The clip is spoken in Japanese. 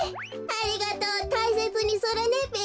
ありがとうたいせつにするねべ。